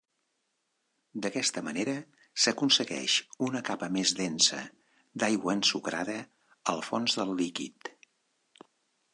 D'aquesta manera s'aconsegueix una capa més densa d'aigua ensucrada al fons del líquid.